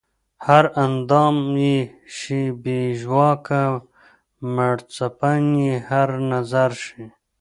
هر اندام ئې شي بې ژواکه مړڅپن ئې هر نظر شي